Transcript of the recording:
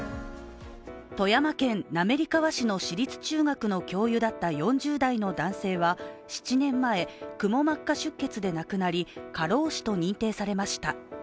富山県滑川市の市立中学の教諭だった４０代の男性は７年前、くも膜下出血で亡くなり過労死と認定されました。